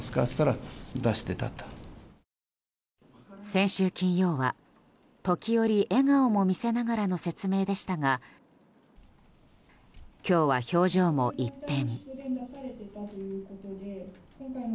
先週金曜は時折笑顔も見せながらの説明でしたが今日は表情も一変。